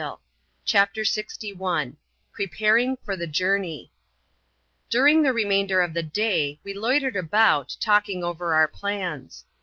«85 CHAPTER LXL Preparing for the Jonmey. During the remainder of the day we loitered about, talking over our plans.